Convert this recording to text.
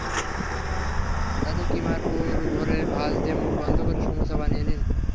তাতে কিমার পুর ভরে ভাঁজ দিয়ে মুখ বন্ধ করে সমুচা বানিয়ে নিন।